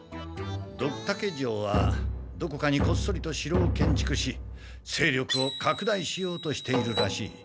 ドクタケ城はどこかにこっそりと城を建築し勢力を拡大しようとしているらしい。